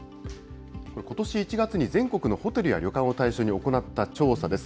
ことし１月に全国のホテルや旅館を対象に行った調査です。